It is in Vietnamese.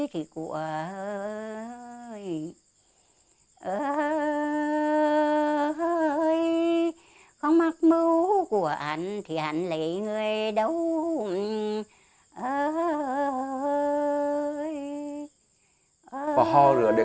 hò rửa được